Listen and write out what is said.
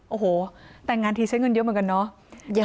โอ้โหแต่งงานทีใช้เงินเยอะเหมือนกันเนาะ